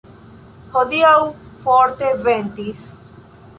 Hodiaŭ forte ventis.